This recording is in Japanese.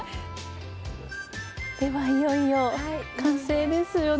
ではいよいよ完成ですよね？